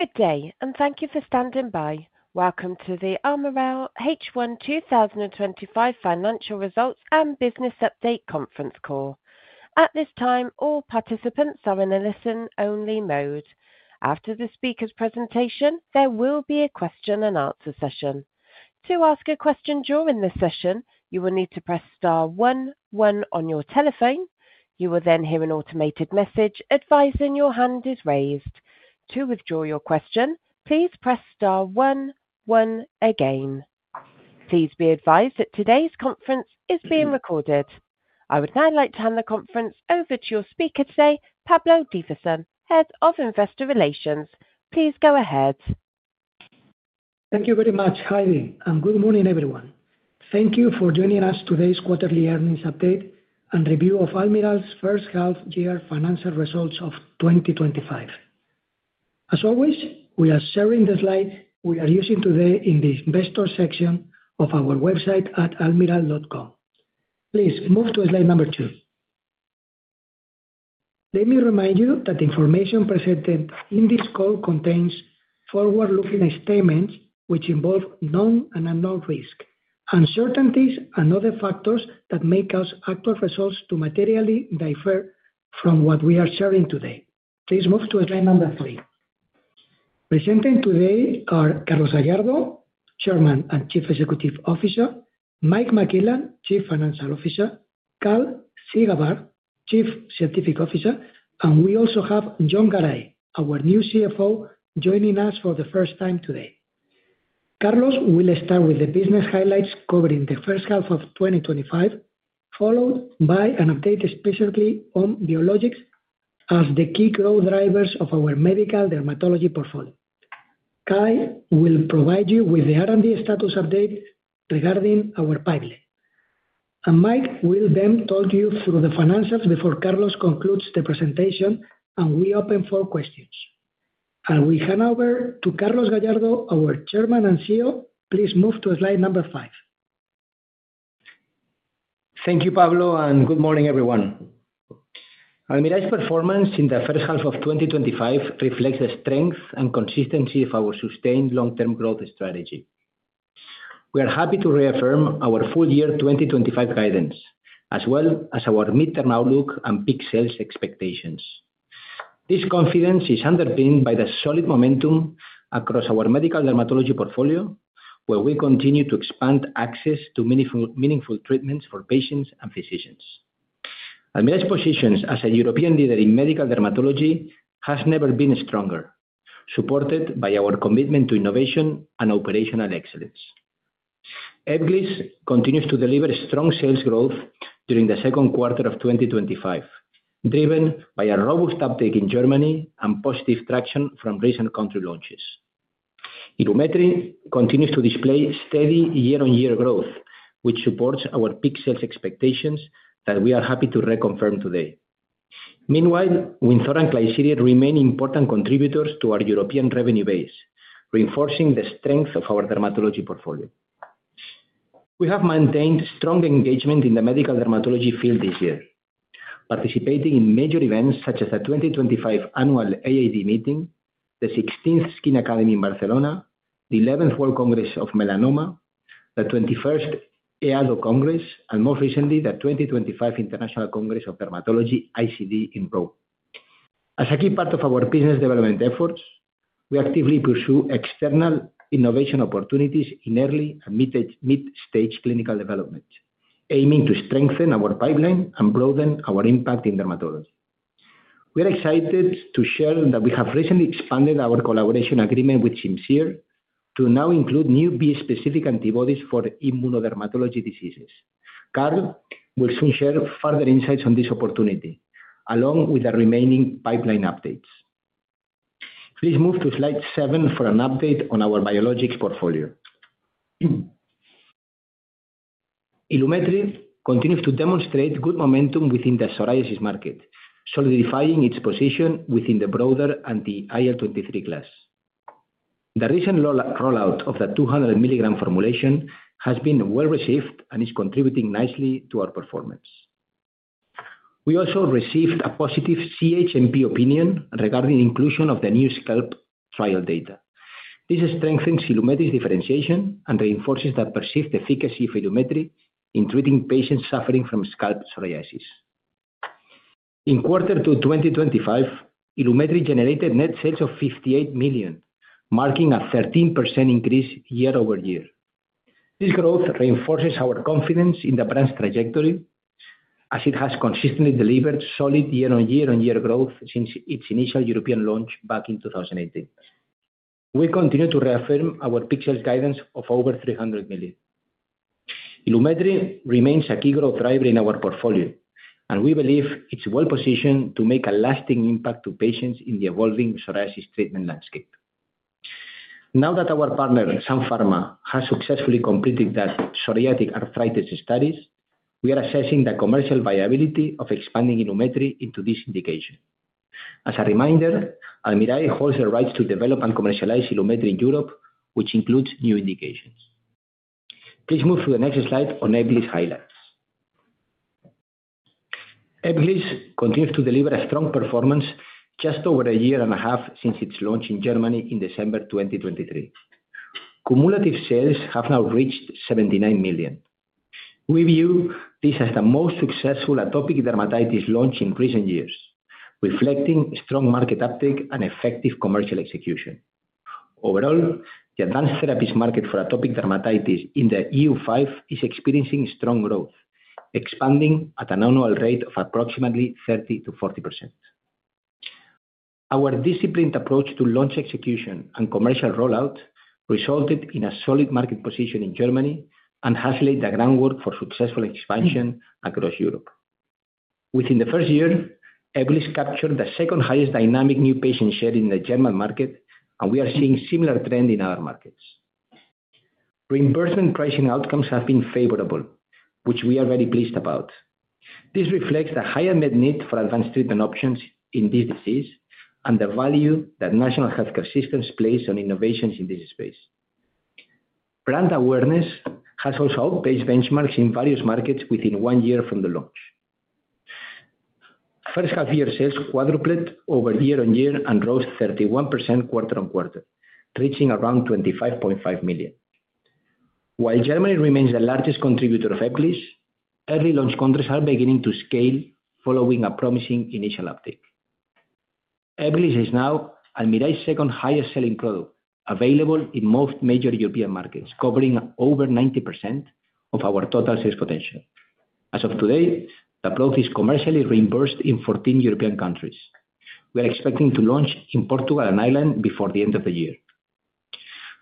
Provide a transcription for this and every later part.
Good day, and thank you for standing by. Welcome to the Almirall H 1 twenty twenty five Financial Results and Business Update Conference Call. At this time, all participants are in a listen only mode. After the speakers' presentation, there will be a question and answer session. To ask a question during the session, you will need to press 11 on your telephone. You will then hear an automated message advising your hand is raised. To withdraw your question, please press 1 Please be advised that today's conference is being recorded. I would now like to hand the conference over to your speaker today, Pablo Diversson, Head of Investor Relations. Please go ahead. Thank you very much, Heidi, and good morning, everyone. Thank you for joining us today's quarterly earnings update and review of Almirall's first half year financial results of 2025. As always, we are sharing the slides we are using today in the Investors section of our website at almira.com. Please move to Slide number two. Let me remind you that information presented in this call contains forward looking statements, which involve known and unknown risks, uncertainties and other factors that may cause actual results to materially differ from what we are sharing today. Please move to Slide number three. Presenting today are Carlos Gallardo, Chairman and Chief Executive Officer Mike McGillan, Chief Financial Officer Karl Sigabar, Chief Scientific Officer and we also have John Garay, our new CFO, joining us for the first time today. Carlos will start with the business highlights covering the first half of twenty twenty five, followed by an update specifically on biologics as the key growth drivers of our medical dermatology portfolio. Kai will provide you with the R and D status update regarding our pipeline. And Mike will then talk you through the financials before Carlos concludes the presentation, and we open for questions. And we hand over to Carlos Gallardo, our Chairman and CEO. Please move to Slide number five. Thank you, Pablo, and good morning, everyone. Our Mirae's performance in the first half of twenty twenty five reflects the strength and consistency of our sustained long term growth strategy. We are happy to reaffirm our full year 2025 guidance as well as our midterm outlook and peak sales expectations. This confidence is underpinned by the solid momentum across our medical dermatology portfolio, where we continue to expand access to meaningful treatments for patients and physicians. Amel's positions as a European leader in medical dermatology has never been stronger, supported by our commitment to innovation and operational excellence. Airglis continues to deliver strong sales growth during the second quarter of twenty twenty five, driven by a robust uptake in Germany and positive traction from recent country launches. Irrometry continues to display steady year on year growth, which supports our peak sales expectations that we are happy to reconfirm today. Meanwhile, Winthor and Clizirid remain important contributors to our European revenue base, reinforcing the strength of our dermatology portfolio. We have maintained strong engagement in the medical dermatology field this year, participating in major events such as the twenty twenty five annual AAD meeting, the sixteenth Skin Academy in Barcelona, the eleventh World Congress of Melanoma, the twenty first EAGL Congress, and more recently, the twenty twenty five International Congress of Dermatology, ICD in Rome. As a key part of our business development efforts, we actively pursue external innovation opportunities in early and mid stage clinical development, aiming to strengthen our pipeline and broaden our impact in dermatology. We are excited to share that we have recently expanded our collaboration agreement with Simsir to now include new B specific antibodies for immunodermatology diseases. Karl will soon share further insights on this opportunity, along with our remaining pipeline updates. Please move to Slide seven for an update on our biologics portfolio. ILUMETRI continues to demonstrate good momentum within the psoriasis market, solidifying its position within the broader and the IL-twenty three class. The recent rollout of the two hundred milligram formulation has been well received and is contributing nicely to our performance. We also received a positive CHMP opinion regarding inclusion of the new SCALP trial data. This strengthens ILUMETRI's differentiation and reinforces the perceived efficacy of ILUMETRI in treating patients suffering from SCALP psoriasis. In quarter two twenty twenty five, ILUMETRI generated net sales of 58,000,000 marking a 13% increase year over year. This growth reinforces our confidence in the brand's trajectory as it has consistently delivered solid year on year on year growth since its initial European launch back in 2018. We continue to reaffirm our PIXAL's guidance of over 300,000,000. ILUMETRI remains a key growth driver in our portfolio, and we believe it's well positioned to make a lasting impact to patients in the evolving psoriasis treatment landscape. Now that our partner, Sam Pharma, has successfully completed that psoriatic arthritis studies, we are assessing the commercial viability of expanding ILUMETRI into this indication. As a reminder, Almirai holds the rights to develop and commercialize ILUMETRI in Europe, which includes new indications. Please move to the next slide on Eblis highlights. Eblis continues to deliver a strong performance just over one years point since its launch in Germany in December 2023. Cumulative sales have now reached €79,000,000 We view this as the most successful atopic dermatitis launch in recent years, reflecting strong market uptake and effective commercial execution. Overall, the advanced therapies market for atopic dermatitis in The EU5 is experiencing strong growth, expanding at an annual rate of approximately 30% to 40%. Our disciplined approach to launch execution and commercial rollout resulted in a solid market position in Germany and has laid the groundwork for successful expansion across Europe. Within the first year, Evolus captured the second highest dynamic new patient share in the German market, and we are seeing similar trend in our markets. Reimbursement pricing outcomes have been favorable, which we are very pleased about. This reflects the higher net need for advanced treatment options in this disease and the value that national health care systems place on innovations in this space. Brand awareness has also outpaced benchmarks in various markets within one year from the launch. First half year sales quadrupled over year on year and rose 31% quarter on quarter, reaching around 25,500,000.0. While Germany remains the largest contributor of Eplis, early launch countries are beginning to scale following a promising initial uptake. Eplis is now Almirai's second highest selling product available in most major European markets, covering over 90% of our total sales potential. As of today, the growth is commercially reimbursed in 14 European countries. We are expecting to launch in Portugal and Ireland before the end of the year.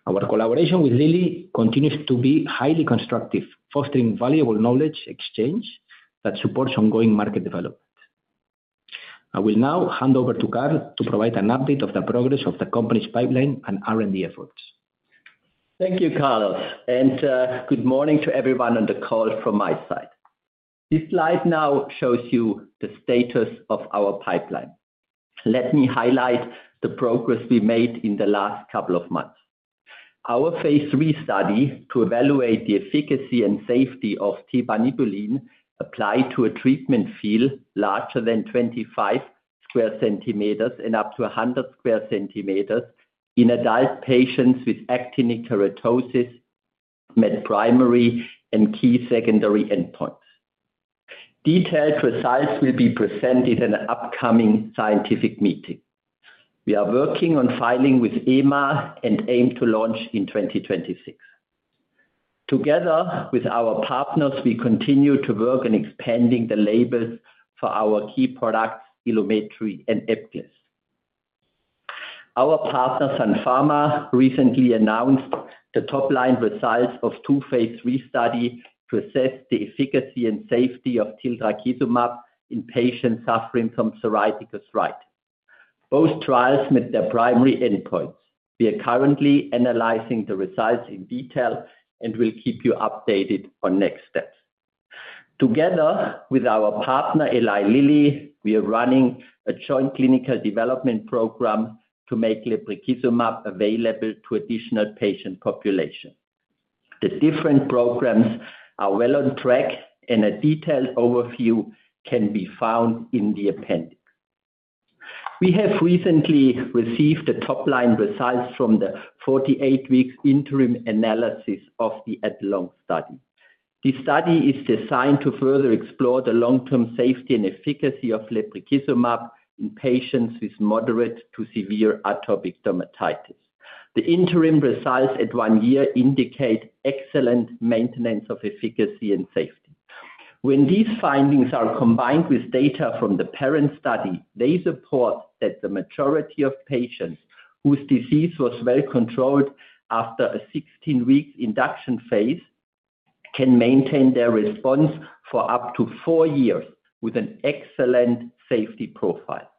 Our collaboration with Lilly continues to be highly constructive, fostering valuable knowledge exchange that supports ongoing market development. I will now hand over to Karl to provide an update of the progress of the company's pipeline and R and D efforts. Thank you, Carlos, and good morning to everyone on the call from my side. This slide now shows you the status of our pipeline. Let me highlight the progress we made in the last couple of months. Our Phase III study to evaluate the efficacy and safety of tbanibulin applied to a treatment field larger than 25 square centimeters and up to 100 square centimeters in adult patients with actinic keratosis met primary and key secondary endpoints. Detailed results will be presented in an upcoming scientific meeting. We are working on filing with EMA and aim to launch in 2026. Together with our partners, we continue to work in expanding the label for our key products, ILUMETRI and Eplis. Our partner Sun Pharma recently announced the top line results of two Phase III study to assess the efficacy and safety of tildrakizumab in patients suffering from psoriatic arthritis. Both trials met their primary endpoints. We are currently analyzing the results in detail and will keep you updated on next steps. Together with our partner Eli Lilly, we are running a joint clinical development program to make lebrikizumab available to additional patient population. The different programs are well on track, and a detailed overview can be found in the appendix. We have recently received the top line results from the forty eight week interim analysis of the ADLONG study. This study is designed to further explore the long term safety and efficacy of lebrikizumab in patients with moderate to severe atopic dermatitis. The interim results at one year indicate excellent maintenance of efficacy and safety. When these findings are combined with data from the parent study, they support that the majority of patients whose disease was well controlled after a sixteen week induction phase can maintain their response for up to four years with an excellent safety profile.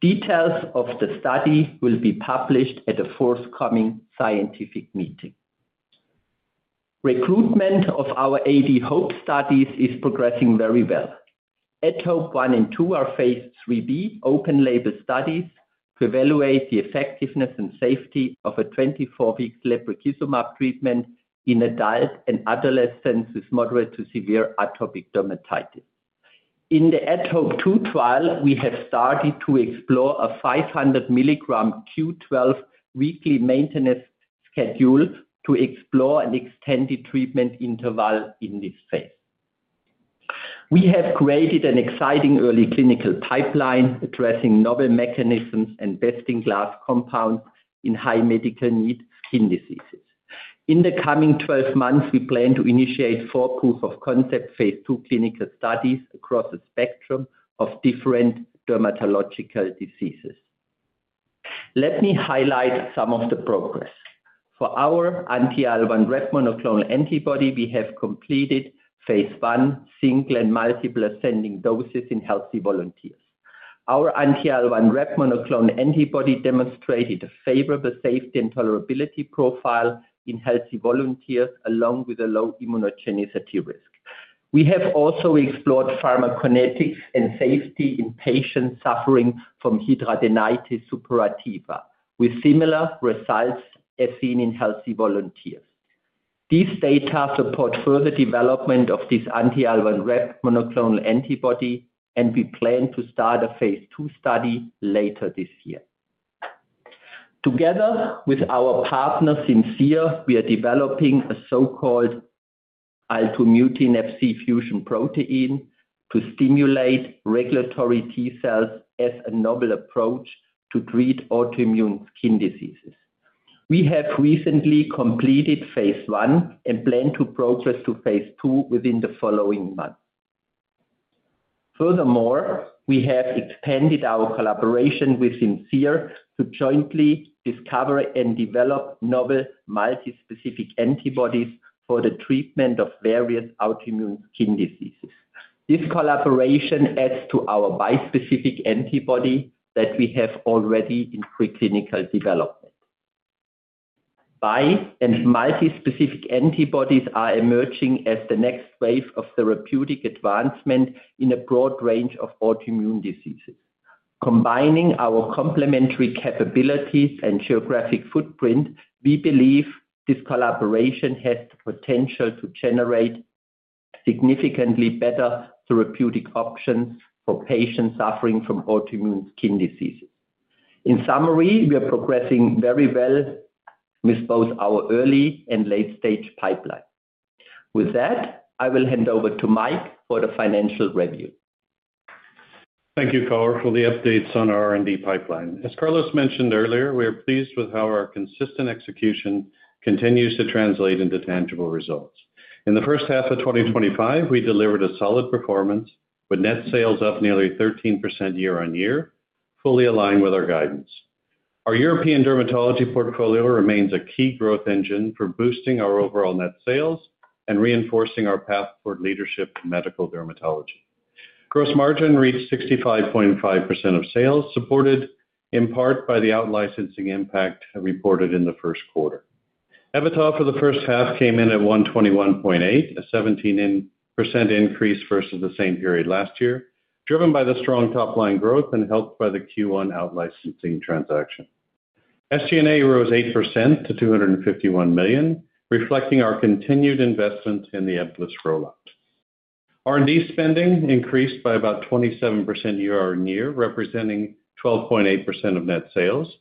Details of the study will be published at the forthcoming scientific meeting. Recruitment of our AD HOPE studies is progressing very well. ETHOPE I and II are Phase IIIb open label studies to evaluate the effectiveness and safety of a twenty four week lebrikizumab treatment in adult and adolescents with moderate to severe atopic dermatitis. In the ATHOPE II trial, we have started to explore a five hundred milligram Q12 weekly maintenance schedule to explore an extended treatment interval in this phase. We have created an exciting early clinical pipeline addressing novel mechanisms and best in class compounds in high medical need skin diseases. In the coming twelve months, we plan to initiate four proof of concept Phase II clinical studies across a spectrum of different dermatological diseases. Let me highlight some of the progress. For our anti AL1REF monoclonal antibody, we have completed Phase I single and multiple ascending doses in healthy volunteers. Our anti AL1REP monoclonal antibody demonstrated a favorable safety and tolerability profile in healthy volunteers along with a low immunogenicity risk. We have also explored pharmacokinetics and safety in patients suffering from hidradenitis suppurativa with similar results as seen in healthy volunteers. These data support further development of this anti alkaline rep monoclonal antibody, and we plan to start a Phase II study later this year. Together with our partner, Sinsere, we are developing a so called IL-two mutant Fc fusion protein to stimulate regulatory T cells as a novel approach to treat autoimmune skin diseases. We have recently completed Phase I and plan to progress to Phase II within the following month. Furthermore, we have expanded our collaboration with INSERE to jointly discover and develop novel multi specific antibodies for the treatment of various autoimmune skin diseases. This collaboration adds to our bispecific antibody that we have already in preclinical development. Bi- and multispecific antibodies are emerging as the next wave of therapeutic advancement in a broad range of autoimmune diseases. Combining our complementary capabilities and geographic footprint, we believe this collaboration has the potential to generate significantly better therapeutic options for patients suffering from autoimmune skin diseases. In summary, we are progressing very well with both our early and late stage pipeline. With that, I will hand over to Mike for the financial review. Thank you, Karl, for the updates on our R and D pipeline. As Carlos mentioned earlier, we are pleased with how our consistent execution continues to translate into tangible results. In the first half of twenty twenty five, we delivered a solid performance with net sales up nearly 13% year on year, fully aligned with our guidance. Our European dermatology portfolio remains a key growth engine for boosting our overall net sales and reinforcing our path toward leadership in medical dermatology. Gross margin reached 65.5% of sales, supported in part by the outlicensing impact reported in the first quarter. EBITDA for the first half came in at 121,800,000.0 a 17 increase versus the same period last year, driven by the strong top line growth and helped by the Q1 out licensing transaction. SG and A rose 8% to $251,000,000 reflecting our continued investment in the endless rollout. R and D spending increased by about 27% year on year, representing 12.8% of net sales.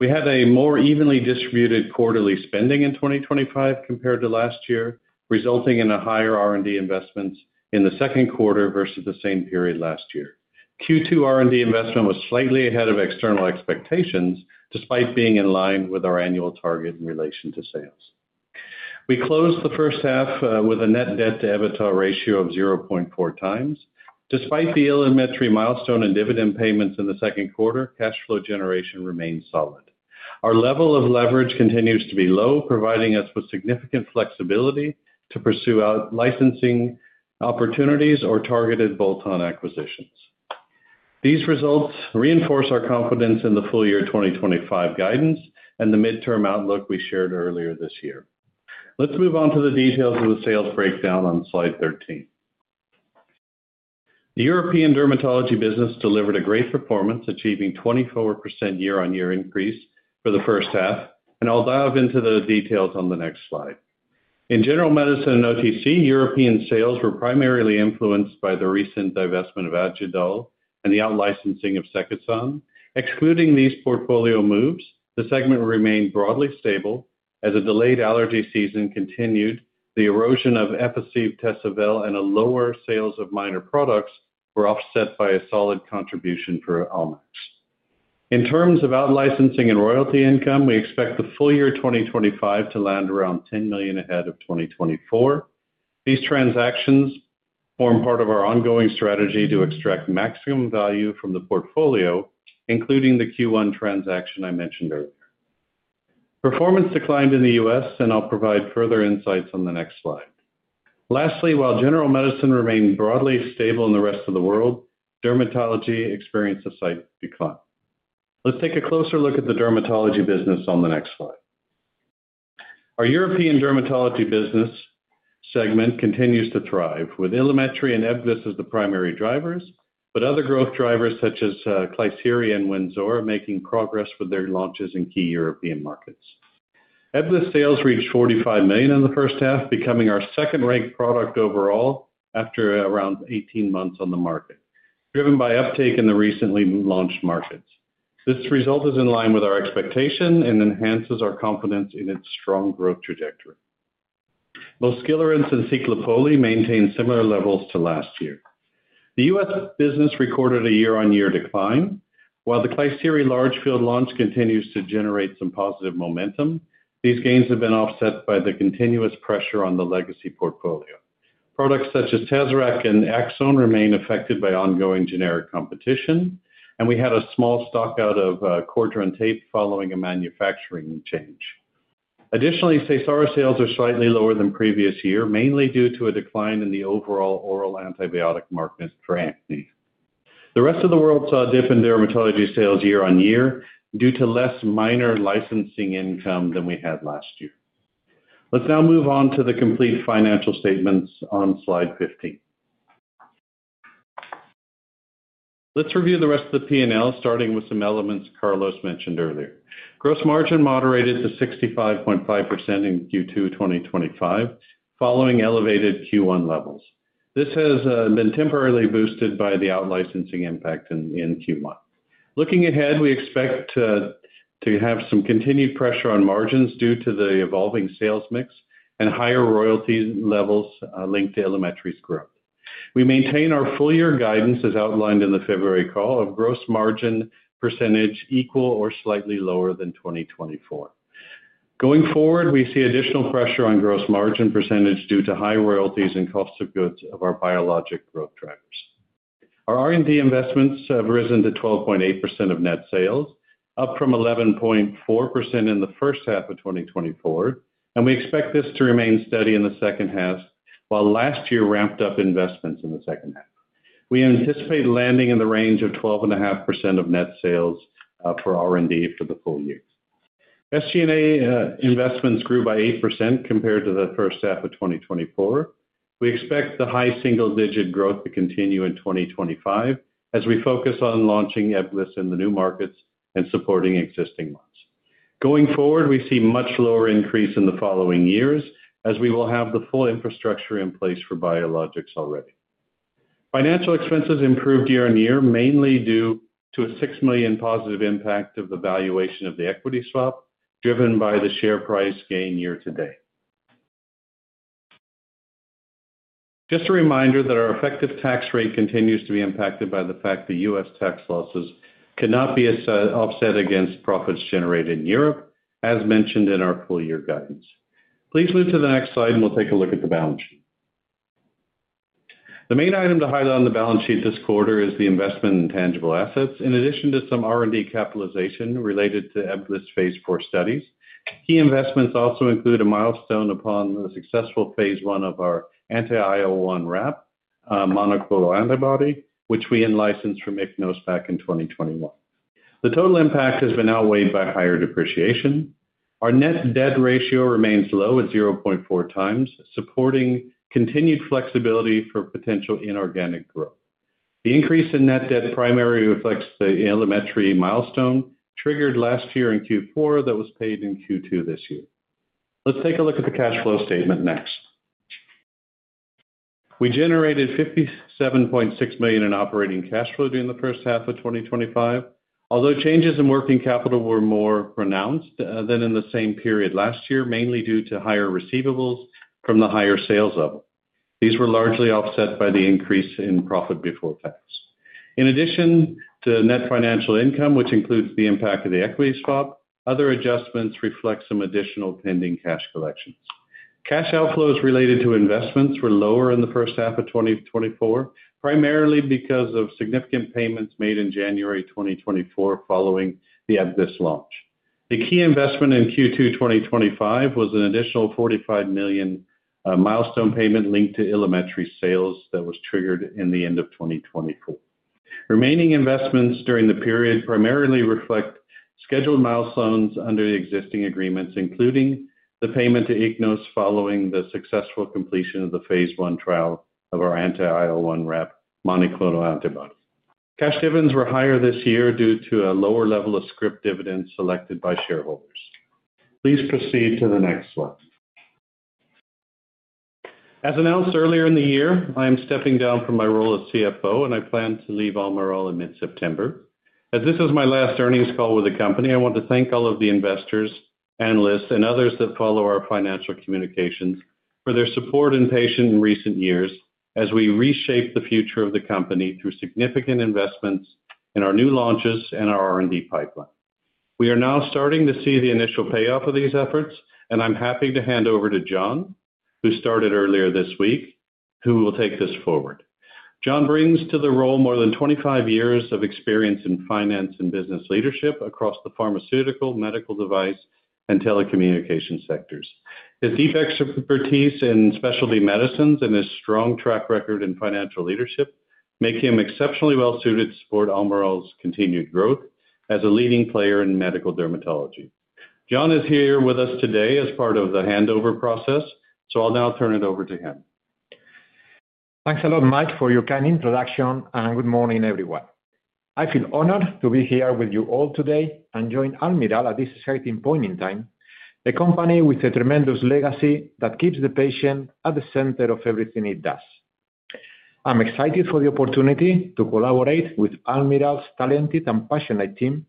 We had a more evenly distributed quarterly spending in 2025 compared to last year, resulting in a higher R and D investments in the second quarter versus the same period last year. Q2 R and D investment was slightly ahead of external expectations despite being in line with our annual target in relation to sales. We closed the first half with a net debt to EBITDA ratio of 0.4 times. Despite the elementary milestone and dividend payments in the second quarter, cash flow generation remains solid. Our level of leverage continues to be low, providing us with significant flexibility to pursue out licensing opportunities or targeted bolt on acquisitions. These results reinforce our confidence in the full year 2025 guidance and the midterm outlook we shared earlier this year. Let's move on to the details of the sales breakdown on Slide 13. The European dermatology business delivered a great performance, achieving 24% year on year increase for the first half, and I'll dive into the details on the next slide. In general medicine and OTC, European sales were primarily influenced by the recent divestment of Adjudal and the outlicensing of Secusan. Excluding these portfolio moves, the segment remained broadly stable as a delayed allergy season continued, the erosion of epacive, Tessavil, and a lower sales of minor products were offset by a solid contribution for Almax. In terms of outlicensing and royalty income, we expect the full year 2025 to land around $10,000,000 ahead of 2024. These transactions form part of our ongoing strategy to extract maximum value from the portfolio, including the q one transaction I mentioned earlier. Performance declined in The US, and I'll provide further insights on the next slide. Lastly, while general medicine remained broadly stable in the rest of the world, dermatology experience of sight decline. Let's take a closer look at the dermatology business on the next slide. Our European dermatology business segment continues to thrive with ILUMETRI and EBVICE as the primary drivers, but other growth drivers such as, Cliserie and WEN Zor are making progress with their launches in key European markets. Evolus sales reached $45,000,000 in the first half, becoming our second ranked product overall after around eighteen months on the market, driven by uptake in the recently launched markets. This result is in line with our expectation and enhances our confidence in its strong growth trajectory. Losgillarins and ceclipoli maintained similar levels to last year. The U. S. Business recorded a year on year decline, While the Clisteri large field launch continues to generate some positive momentum, these gains have been offset by the continuous pressure on the legacy portfolio. Products such as Tazorac and Axone remain affected by ongoing generic competition, and we had a small stock out of, Cordran tape following a manufacturing change. Additionally, Seysara sales are slightly lower than previous year, mainly due to a decline in the overall oral antibiotic market for acne. The rest of the world saw a dip in dermatology sales year on year due to less minor licensing income than we had last year. Let's now move on to the complete financial statements on slide 15. Let's review the rest of the p and l starting with some elements Carlos mentioned earlier. Gross margin moderated to 65.5% in q two twenty twenty five, following elevated q one levels. This has been temporarily boosted by the out licensing impact in Q1. Looking ahead, we expect to have some continued pressure on margins due to the evolving sales mix and higher royalty levels linked to Elementary's growth. We maintain our full year guidance as outlined in the February call of gross margin percentage equal or slightly lower than 2024. Going forward, we see additional pressure on gross margin percentage due to high royalties and cost of goods of our biologic growth drivers. Our R and D investments have risen to 12.8% of net sales, up from 11.4% in the first half of twenty twenty four, and we expect this to remain steady in the second half while last year ramped up investments in the second half. We anticipate landing in the range of 12.5% of net sales for R and D for the full year. SG and A investments grew by 8% compared to the first half of twenty twenty four. We expect the high single digit growth to continue in 2025 as we focus on launching Evolus in the new markets and supporting existing ones. Going forward, we see much lower increase in the following years as we will have the full infrastructure in place for Biologics already. Financial expenses improved year on year, mainly due to a $6,000,000 positive impact of the valuation of the equity swap, driven by the share price gain year to date. Just a reminder that our effective tax rate continues to be impacted by the fact that U. S. Tax losses cannot be offset against profits generated in Europe, as mentioned in our full year guidance. Please move to the next slide, and we'll take a look at the balance sheet. The main item to highlight on the balance sheet this quarter is the investment in tangible assets in addition to some R and D capitalization related to Evolus Phase IV studies. Key investments also include a milestone upon the successful phase one of our anti I o one wrap monoclonal antibody, which we in licensed from Ichnos back in 2021. The total impact has been outweighed by higher depreciation. Our net debt ratio remains low at 0.4 times, supporting continued flexibility for potential inorganic growth. The increase in net debt primary reflects the Alemetry milestone triggered last year in q four that was paid in q two this year. Let's take a look at the cash flow statement next. We generated $57,600,000 in operating cash flow during the first half of twenty twenty five. Although changes in working capital were more pronounced than in the same period last year, mainly due to higher receivables from the higher sales level. These were largely offset by the increase in profit before tax. In addition to net financial income, which includes the impact of the equity swap, other adjustments reflect some additional pending cash collections. Cash outflows related to investments were lower in the first half of twenty twenty four, primarily because of significant payments made in January 2024 following the AbbVie's launch. The key investment in q two twenty twenty five was an additional 45,000,000 milestone payment linked to ILEMETRI sales that was triggered in the end of twenty twenty four. Remaining investments during the period primarily reflect scheduled milestones under the existing agreements, including the payment to IGNOS following the successful completion of the phase one trial of our anti IL-one rep monoclonal antibody. Cash dividends were higher this year due to a lower level of scrip dividend selected by shareholders. Please proceed to the next slide. As announced earlier in the year, I am stepping down from my role as CFO, and I plan to leave Almirall in mid September. As this is my last earnings call with the company, I want to thank all of the investors, analysts, and others that follow our financial communications for their support and patience in recent years as we reshape the future of the company through significant investments in our new launches and our R and D pipeline. We are now starting to see the initial payoff of these efforts, and I'm happy to hand over to John, who started earlier this week who will take this forward. John brings to the role more than twenty five years of experience in finance and business leadership across the pharmaceutical, medical device, and telecommunication sectors. His deep expertise in specialty medicines and his strong track record in financial leadership make him exceptionally well suited to support Almirall's continued growth as a leading player in medical dermatology. John is here with us today as part of the handover process, so I'll now turn it over to him. Thanks a lot, Mike, for your kind introduction, and good morning, everyone. I feel honored to be here with you all today and join Almirall at this certain point in time, a company with a tremendous legacy that keeps the patient at the center of everything it does. I'm excited for the opportunity to collaborate with Almirall's talented and passionate team,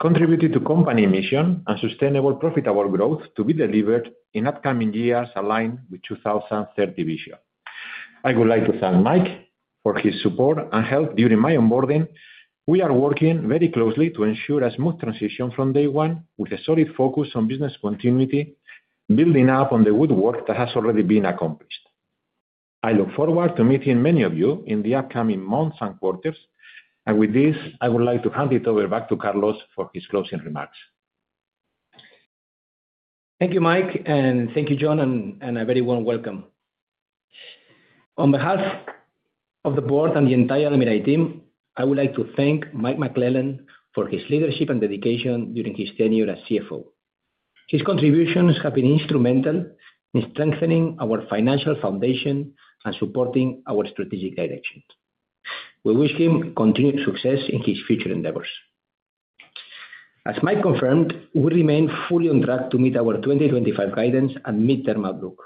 contributed to company mission and sustainable profitable growth to be delivered in upcoming years aligned with 2030 vision. I would like to thank Mike for his support and help during my onboarding. We are working very closely to ensure a smooth transition from day one with a solid focus on business continuity, building up on the woodwork that has already been accomplished. I look forward to meeting many of you in the upcoming months and quarters. And with this, I would like to hand it over back to Carlos for his closing remarks. Thank you, Mike, and thank you, John, and and a very warm welcome. On behalf of the board and the entire Alimera team, I would like to thank Mike McClellan for his leadership and dedication during his tenure as CFO. His contributions have been instrumental in strengthening our financial foundation and supporting our strategic direction. We wish him continued success in his future endeavors. As Mike confirmed, we remain fully on track to meet our 2025 guidance and midterm outlook.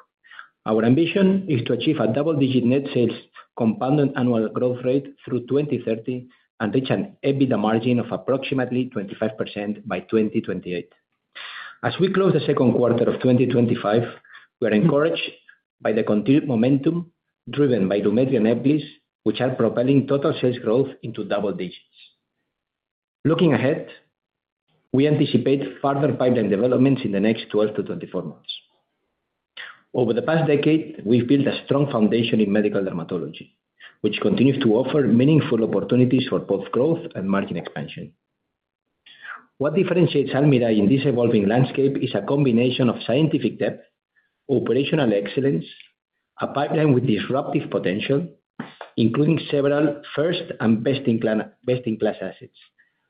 Our ambition is to achieve a double digit net sales compounded annual growth rate through 2030 and reach an EBITDA margin of approximately 25% by 2028. As we close the second quarter of twenty twenty five, we are encouraged by the continued momentum driven by Lumetri and Epilisk, which are propelling total sales growth into double digits. Looking ahead, we anticipate further pipeline developments in the next twelve to twenty four months. Over the past decade, we've built a strong foundation in medical dermatology, which continues to offer meaningful opportunities for both growth and margin expansion. What differentiates Almirai in this evolving landscape is a combination of scientific depth, operational excellence, a pipeline with disruptive potential, including several first and best in class assets,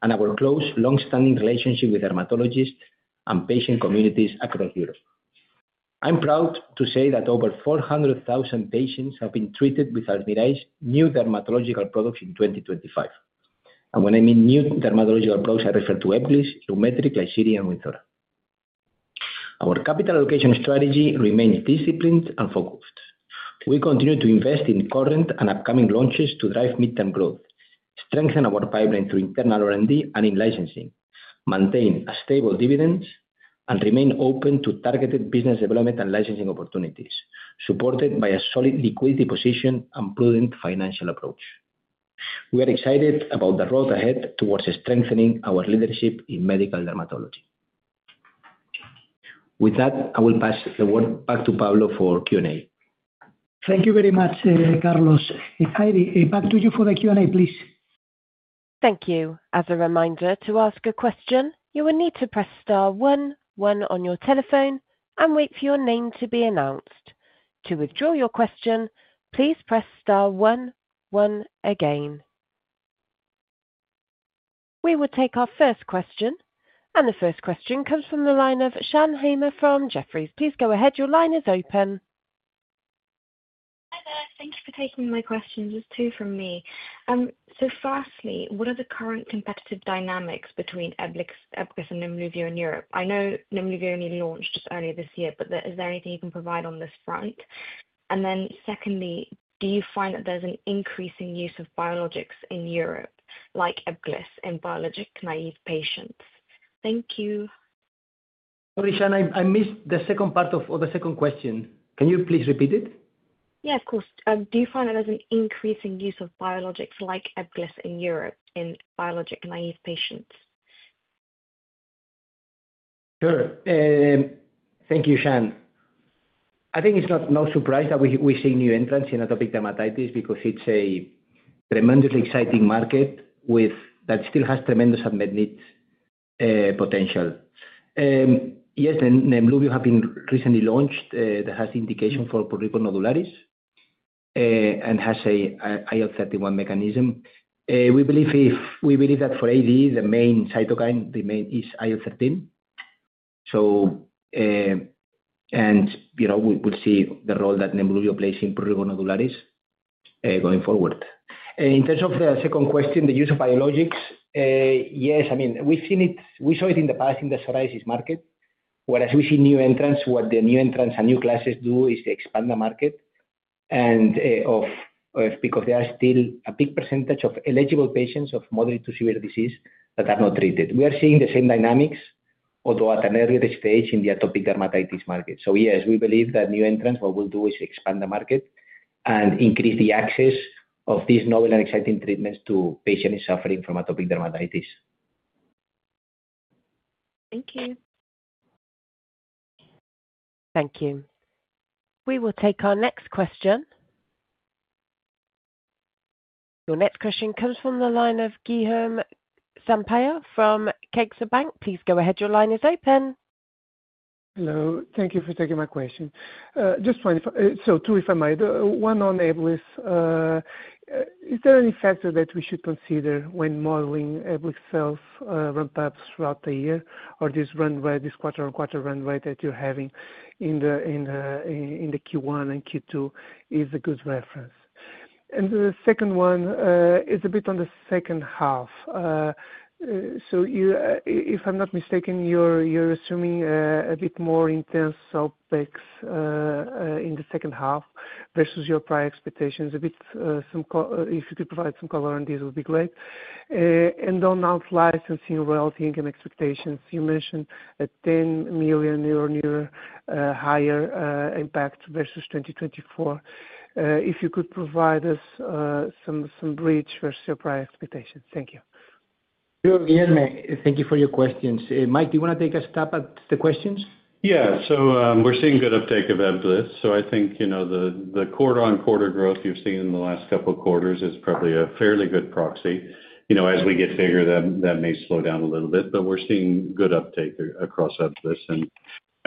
and our close long standing relationship with dermatologists and patient communities across Europe. I'm proud to say that over 400,000 patients have been treated with Ardiraj's new dermatological products in 2025. And when I mean new dermatological products, I refer to Eblis, Rheumatrix, Lysuria, Winthora. Our capital allocation strategy remains disciplined and focused. We continue to invest in current and upcoming launches to drive midterm growth, strengthen our pipeline through internal R and D and in licensing, maintain a stable dividend and remain open to targeted business development and licensing opportunities, supported by a solid liquidity position and prudent financial approach. We are excited about the road ahead towards strengthening our leadership in medical dermatology. With that, I will pass the word back to Pablo for Q and A. Thank you very much, Carlos. Heidi, back to you for the Q and A, please. Thank We will take our first question. And the first question comes from the line of Shan Haemer from Jefferies. Please go ahead. Your line is open. Hi there. Thank you for taking my questions. Just two from me. So firstly, what are the current competitive dynamics between Eblis and Nimlivia in Europe? I know Nimlivia only launched earlier this year, but is there anything you can provide on this front? And then secondly, do you find that there's an increasing use of biologics in Europe like Eblis in biologic naive patients? Thank you. Sorry, Shannon. I missed the second part of or the second question. Can you please repeat it? Yeah. Of course. Do you find that there's an increasing use of biologics like Eglis in Europe in biologic naive patients? Sure. Thank you, Shan. I think it's not no surprise that we we're seeing new entrants in atopic dermatitis because it's a tremendously exciting market with that still has tremendous unmet need potential. Yes. And NEMLLUVIO have been recently launched that has indication for porico nodularis and has a IL-thirty one mechanism. We believe if we believe that for AD, the main cytokine remain is IL-thirteen. 13. So and, you know, we could see the role that Nebulio plays in per gonadularis going forward. And in terms of the second question, the use of biologics, yes. I mean, we've seen it. We saw it in the past in the psoriasis market. Whereas we see new entrants, what the new entrants and new classes do is to expand the market and of because there are still a big percentage of eligible patients of moderate to severe disease that are not treated. We are seeing the same dynamics, although at an earlier stage in the atopic dermatitis market. So, yes, we believe that new entrants, what we'll do is expand the market and increase the access of these novel and exciting treatments to patients suffering from atopic dermatitis. Thank you. Thank you. We will take our next question. Your next question comes from the line of Guillaume Sampayya from Kegsaban. Just one so two, if I may. One on Ablys. Is there any factor that we should consider when modeling Ablys sales ramp ups throughout the year or this run rate this quarter on quarter run rate that you're having in the Q1 and Q2 is a good reference? And the second one is a bit on the second half. So if I'm not mistaken, you're assuming a bit more intense OpEx in the second half versus your prior expectations. If you could provide some color on this, it would be great. And on out licensing royalty income expectations, you mentioned a €10,000,000 higher impact versus 2024. If you could provide us some bridge versus your prior expectations. Thank you. Good. Thank you for your questions. Mike, do you wanna take a stab at the questions? Yeah. So, we're seeing good uptake of Evglis. So I think, you know, the the quarter on quarter growth you've seen in the last couple of quarters is probably a fairly good proxy. As we get bigger, that may slow down a little bit, but we're seeing good uptake across this. And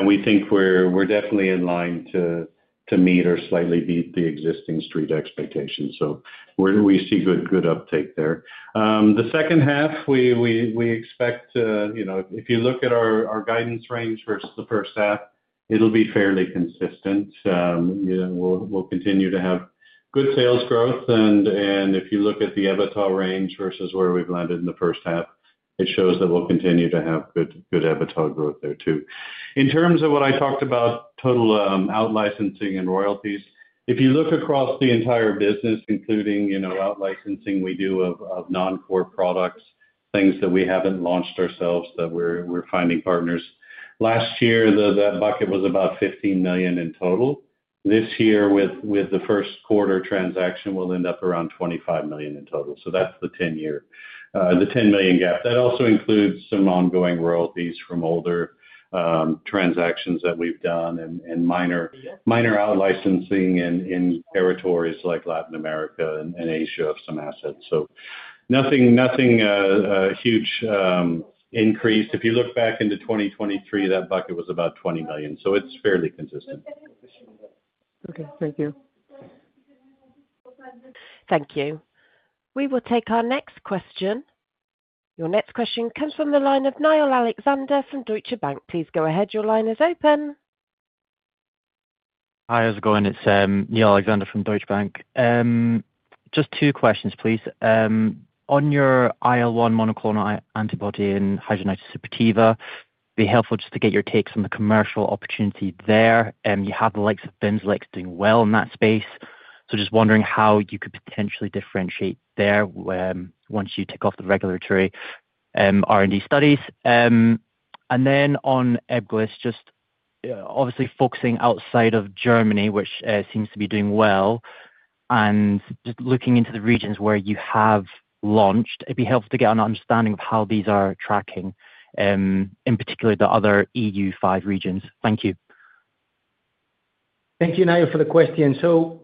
we think we're definitely in line to meet or slightly beat the existing Street expectations. So where do we see good good uptake there? The second half, we we we expect, you know, if you look at our our guidance range versus the first half, it'll be fairly consistent. You know, we'll we'll continue to have good sales growth. And and if you look at the EBITDA range versus where we've landed in the first half, it shows that we'll continue to have good good EBITDA growth there too. In terms of what I talked about total, outlicensing and royalties, if you look across the entire business, including, you know, outlicensing we do of of noncore products, things that we haven't launched ourselves that we're we're finding partners. Last year, the that bucket was about 15,000,000 in total. This year, with with the first quarter transaction, we'll end up around 25,000,000 in total. So that's the ten year, the 10,000,000 gap. That also includes some ongoing royalties from older, transactions that we've done and and minor minor outlicensing in in territories like Latin America and and Asia of some assets. So nothing nothing, huge, increase. If you look back into 2023, that bucket was about 20,000,000, so it's fairly consistent. Okay. Thank you. Thank you. We will take our next question. Your next question comes from the line of Niall Alexander from Deutsche Bank. Please go ahead. Your line is open. Hi. How's it going? It's, Neil Alexander from Deutsche Bank. Just two questions, please. On your IL-one monoclonal antibody and hydrogenated supertiva, it'd be helpful just to get your takes on the commercial opportunity there. You have the likes of Benzlek doing well in that space. So just wondering how you could potentially differentiate there once you tick off the regulatory r and d studies. And then on Eglis, just obviously focusing outside of Germany, which seems to be doing well. And just looking into the regions where you have launched, it'd be helpful to get an understanding of how these are tracking, in particular, other EU five regions. Thank you, Nayu, for the question. So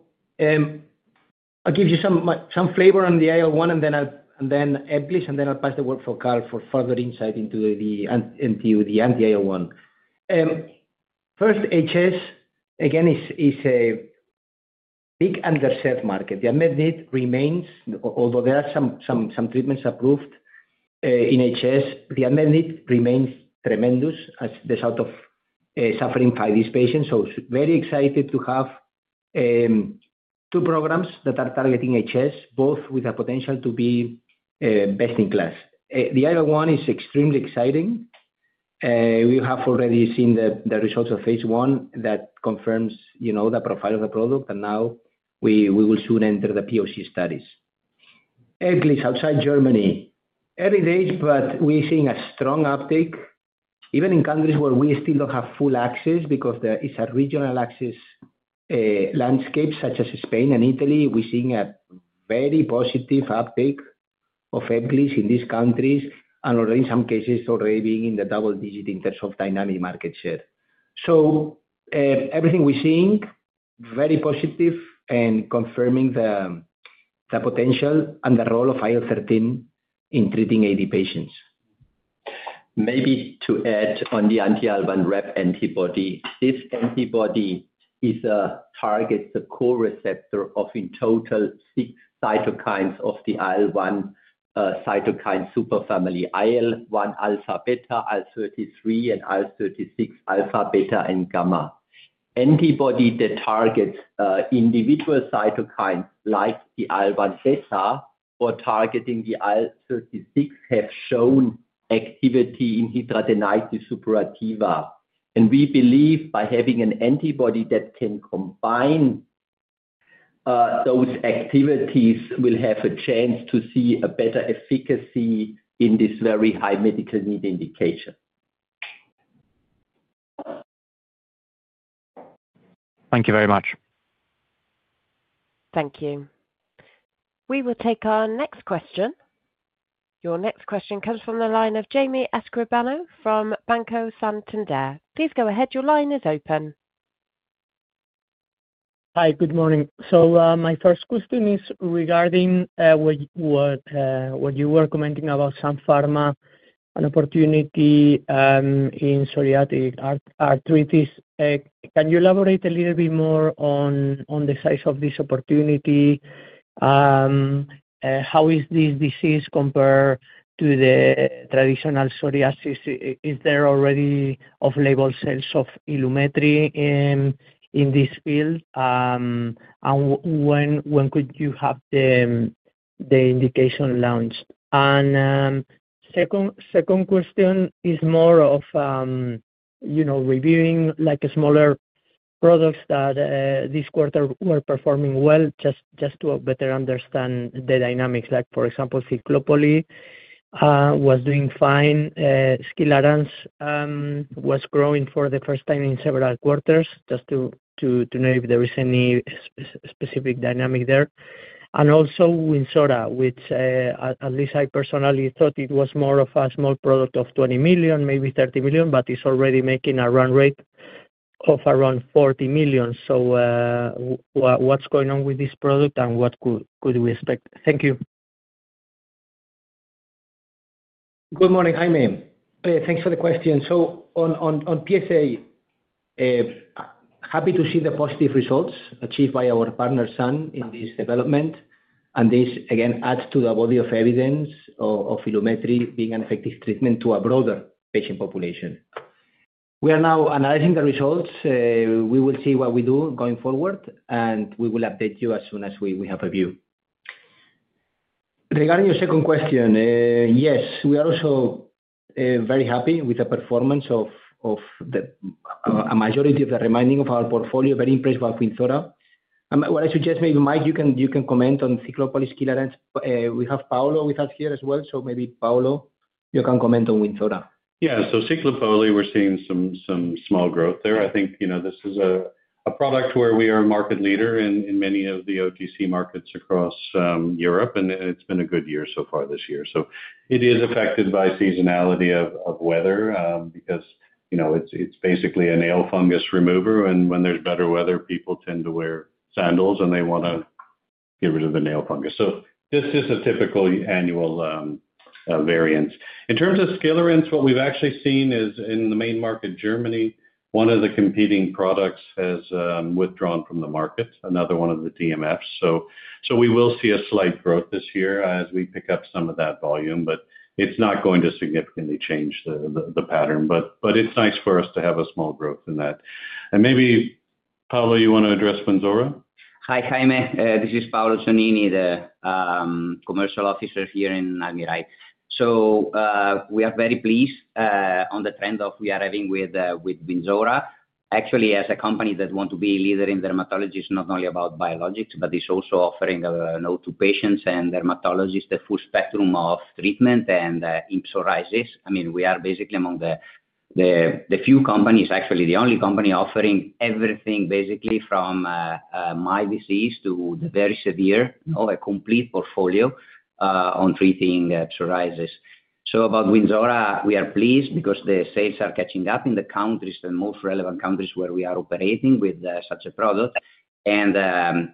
I'll give you some some flavor on the I l one, and then I'll and then please, and then I'll pass the word for Karl for further insight into the into the anti I l one. First HS, again, is a big underserved market. The unmet need remains, although there are some treatments approved in HS, the unmet need remains tremendous the sort of suffering by these patients. So very excited to have two programs that are targeting HS, both with a potential to be best in class. The other one is extremely exciting. We have already seen the the results of phase one that confirms, you know, the profile of the product, and now we we will soon enter the POC studies. At least outside Germany, every day, but we're seeing a strong uptake even in countries where we still don't have full access because there is a regional access landscape such as Spain and Italy. We're seeing a very positive uptake of in these countries and already in some cases already being in the double digit in terms of dynamic market share. So, everything we're seeing, very positive and confirming the the potential and the role of IL-thirteen in treating AD patients. Maybe to add on the anti IL-one rep antibody. This antibody is a target, the coreceptor of in total six cytokines of the IL-one cytokine superfamily, IL-one alpha beta, IL-thirty three, and IL-thirty six alpha beta and gamma. Antibody that targets individual cytokines like the IL-one sesser for targeting the IL-thirty six have shown activity in heteradenitis suppurativa. And we believe by having an antibody that can combine those activities will have a chance to see a better efficacy in this very high medical need indication. Thank you very much. Thank you. We will take our next question. Your next question comes from the line of Jamie Escobano from Banco Santander. Please go ahead. Your line is open. Hi. Good morning. So my first question is regarding what you were commenting about Sun Pharma, an opportunity in psoriatic arthritis. Can you elaborate a little bit more on the size of this opportunity? How is this disease compared to the traditional psoriasis? Is there already off label cells of ILUMETRI in this field? When when could you have the indication launched? And second second question is more of, you know, reviewing, like, a smaller products that this quarter were performing well just just to better understand the dynamics. Like, for example, cyclopoly was doing fine. Skilaranz was growing for the first time in several quarters just to to know if there is any specific dynamic there. And also WinSoda, which, least I personally thought it was more of a small product of 20,000,000, maybe 30,000,000, but it's already making a run rate of around 40,000,000. So, what's going on with this product, and what could could we expect? Thank you. Good morning. Hi, Meme. Thanks for the question. So on PSA, happy to see the positive results achieved by our partner Sun in this development. And this, again, adds to the body of evidence of filamentary being an effective treatment to a broader patient population. We are now analyzing the results. We will see what we do going forward, and we will update you as soon as we have a view. Regarding your second question, yes. We are also very happy with the performance of of the a majority of the remaining of our portfolio, very impressed by Winthora. What I suggest maybe, Mike, you can you can comment on cyclopolyskilarence. We have Paolo with us here as well. So maybe, Paolo, you can comment on Winthora. Yeah. So cyclopoly, we're seeing some some small growth there. I think, you know, this is a a product where we are a market leader in in many of the OTC markets across Europe, and it's been a good year so far this year. So it is affected by seasonality of of weather because, you know, it's it's basically a nail fungus remover. And when there's better weather, people tend to wear sandals, they wanna get rid of the nail fungus. So this is a typical annual variance. In terms of scalarins, what we've actually seen is in the main market Germany, one of the competing products has, withdrawn from the market, another one of the DMFs. So so we will see a slight growth this year as we pick up some of that volume, but it's not going to significantly change the the the pattern. But but it's nice for us to have a small growth in that. And maybe, Paolo, you wanna address BINZORA? Hi. Hi, Meh. This is Paolo Sonini, the, commercial officer here in AMIRAI. So, we are very pleased, on the trend of we are having with, with BINZORA. Actually, as a company that want to be a leader in dermatologists, not only about biologics, but it's also offering a note to patients and dermatologists the full spectrum of treatment and, in psoriasis. I mean, we are basically among the the the few companies, actually, the only company offering everything basically from, my disease to the very severe or a complete portfolio, on treating psoriasis. So about WinZora, we are pleased because the sales are catching up in the countries, the most relevant countries where we are operating with such a product. And,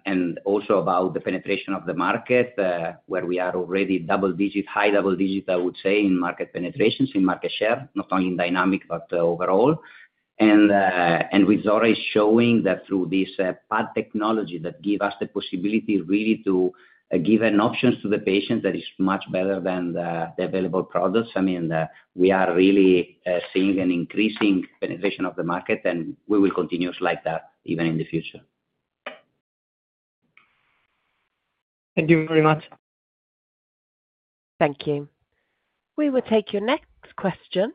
and also about the penetration of the market where we are already double digit, high double digit, I would say, in market penetrations, in market share, not only in dynamic but overall. And, and with ZORA showing that through this PAD technology that give us the possibility really to give an options to the patient that is much better than the the available products. I mean, we are really, seeing an increasing penetration of the market, and we will continue like that even in the future. Thank you very much. Thank you. We will take your next question.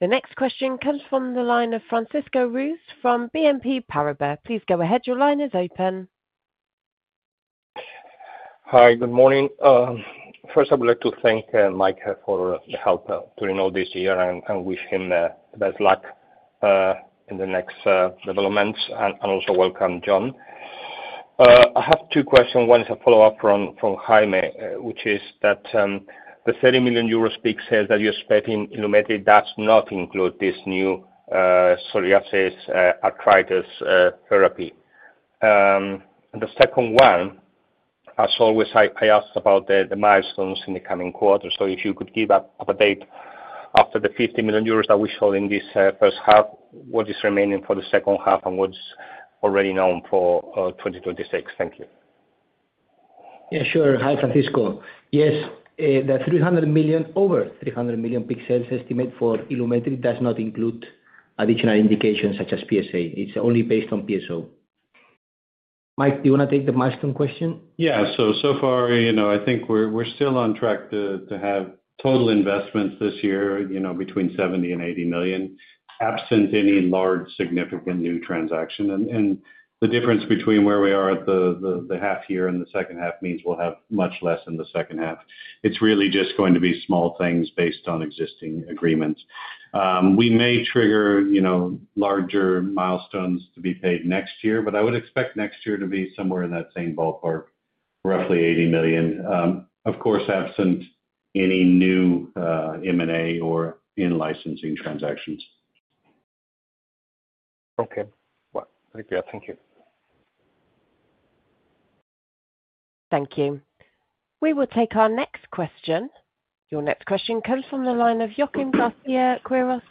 The next question comes from the line of Francisco Roos from BNP Paribas. Please go ahead. Your line is open. Hi. Good morning. First, I would like to thank Mike for the help during all this year, I wish him the best luck in the next developments. And I also welcome, John. I have two questions. One is a follow-up from Jaime, which is that the €30,000,000 peak sales that you expect in ILUMEDIT does not include this new psoriasis arthritis therapy. And the second one, as always, I asked about the milestones in the coming quarters. So if you could give up a date after the €50,000,000 that we sold in this first half, what is remaining for the second half and what's already known for 2026? Thank you. Yeah. Sure. Hi, Francisco. Yes. The 300,000,000 over 300,000,000 peak sales estimate for ILUMETRI does not include additional indications such as PSA. It's only based on PSO. Mike, do you wanna take the milestone question? Yeah. So so far, you know, I think we're we're still on track to to have total investments this year, you know, between 70 and 80,000,000, absent any large significant new transaction. And and the difference between where we are at the the the half year and the second half means we'll have much less in the second half. It's really just going to be small things based on existing agreements. We may trigger, you know, larger milestones to be paid next year, but I would expect next year to be somewhere in that same ballpark, roughly 80,000,000, of course, absent any new, m and a or in licensing transactions. Okay. Well, thank you. Thank you. We will take our next question. Your next question comes from the line of Jochen Garcia Guerra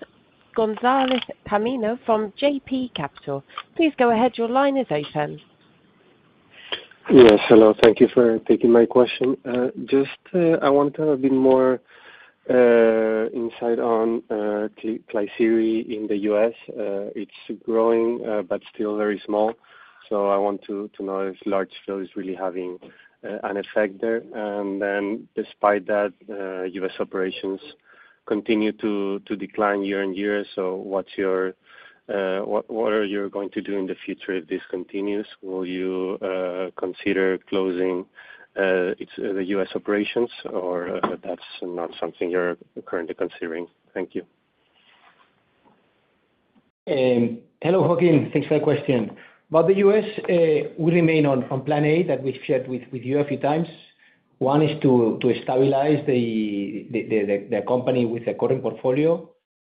Gonzalez Pammino from JP Capital. Please go ahead. Your line is open. Yes. Hello. Thank you for taking my question. Just I want to have a bit more insight on Tliceria in The US. It's growing but still very small. So I want to to know if large flow is really having, an effect there. And then despite that, US operations continue to to decline year on year. So what's your, what what are you going to do in the future if this continues? Will you, consider closing, The US operations, or that's not something you're currently considering? Thank you. Hello, Joaquin. Thanks for the question. About The US, we remain on on plan a that we've shared with with you a few times. One is to to stabilize the the the the company with the current portfolio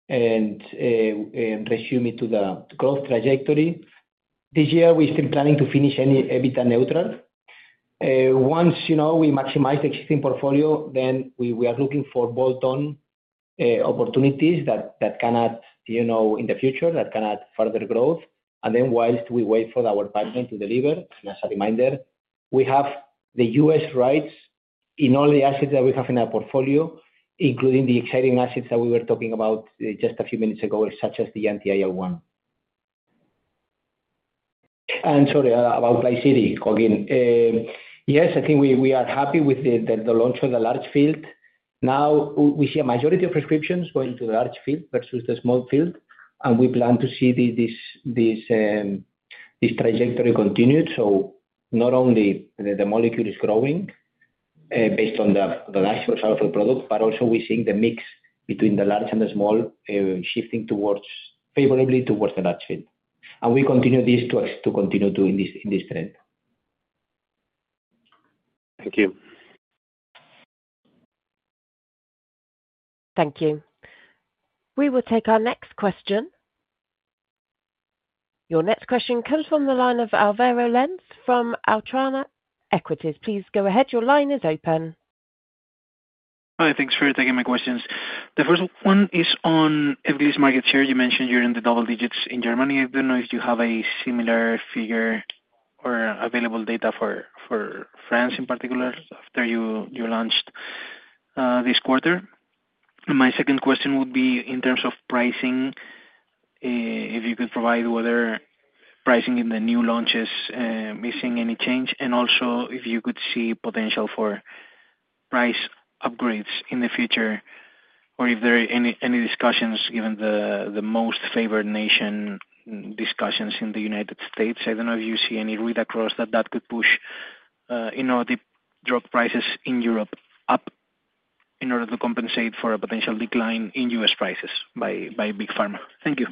and resume it to the growth trajectory. This year, we're still planning to finish any EBITDA neutral. Once, you know, we maximize the existing portfolio, then we we are looking for bolt on opportunities that that cannot, you know, in the future, that cannot further growth. And then whilst we wait for our pipeline to deliver, as reminder, we have The US rights in all the assets that we have in our portfolio, including the exciting assets that we were talking about just a few minutes ago, such as the anti IL-one. And sorry about Viciri, Kogin. Yes. I think we we are happy with the the launch of the large field. Now we see a majority of prescriptions going to large field versus the small field, and we plan to see the this this this trajectory continued. So not only the molecule is growing based on the the actual sulfur product, but also we're seeing the mix between the large and the small shifting towards favorably towards the natural. And we continue these to us to continue doing this in this trend. Thank you. Thank you. We will take our next question. Your next question comes from the line of Alvaro Lens from Altrauner Equities. Please go ahead. Your line is open. Hi. Thanks for taking my questions. The first one is on this market share. You mentioned you're in the double digits in Germany. I don't know if you have a similar figure or available data for France, in particular, after you launched this quarter? My second question would be in terms of pricing, if you could provide whether pricing in the new launches missing any change and also if you could see potential for price upgrades in the future or if there are any any discussions given the the most favored nation discussions in The United States. I don't know if you see any read across that that could push, in order to drop prices in Europe up in order to compensate for a potential decline in U. S. Prices by big pharma. Thank you.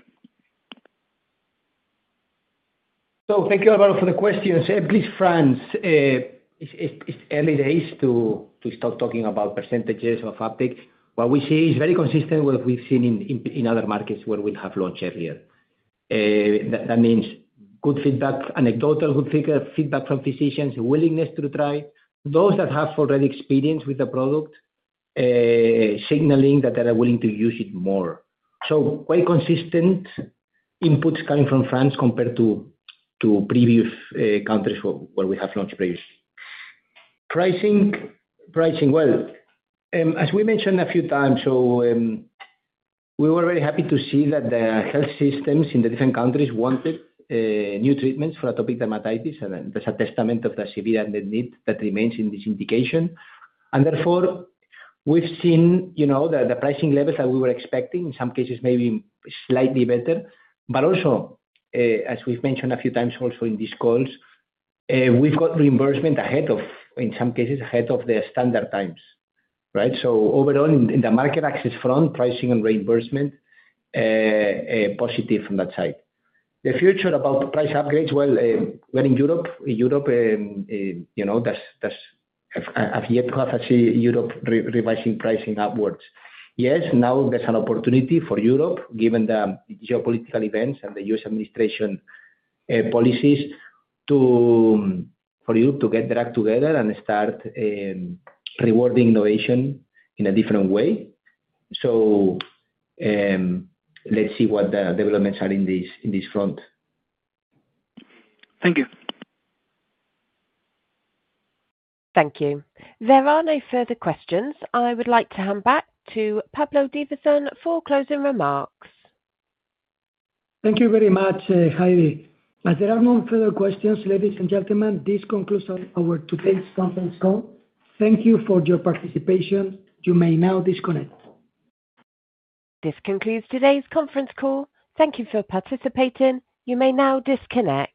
So thank you, Alvaro, for the questions. Please, France, it's it's it's early days to to stop talking about percentages of uptake. What we see is very consistent with what we've seen in in in other markets where we have launched earlier. That that means good feedback, anecdotal, good feedback from physicians, willingness to try. Those that have already experienced with the product, signaling that they are willing to use it more. So quite consistent inputs coming from France compared to to previous, countries where where we have launched base. Pricing pricing, well, as we mentioned a few times, so, we were very happy to see that the health systems in the different countries wanted, new treatments for atopic dermatitis, and then there's a testament of the severe unmet need that remains in this indication. And therefore, we've seen, you know, the the pricing levels that we were expecting, in some cases, maybe slightly better. But also, as we've mentioned a few times also in these calls, we've got reimbursement ahead of in some cases, of the standard times. Right? So overall, in in the market access front, pricing and reimbursement, positive from that side. The future about price upgrades, well, well, in Europe Europe, you know, that's that's have yet to have a see Europe revising pricing upwards. Yes. Now there's an opportunity for Europe given the geopolitical events and the US administration policies to for you to get the act together and start rewarding innovation in a different way. So, let's see what the developments are in this in this front. Thank you. Thank you. There are no further questions. I would like to hand back to Pablo Diverson for closing remarks. Thank you very much, Heidi. As there are no further questions, ladies and gentlemen, this concludes our today's conference call. Thank you for your participation. You may now disconnect. This concludes today's conference call. Thank you for participating. You may now disconnect.